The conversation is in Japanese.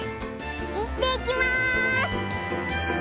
いってきます！